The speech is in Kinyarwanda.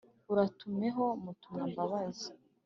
Uratumeho Mutumwambazi